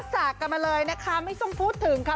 ความต่ำมาเลยนะคะไม่ต้องพูดถึงค่ะ